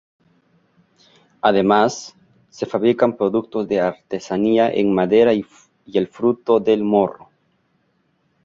Además, se fabrican productos de artesanía en madera y el fruto del morro.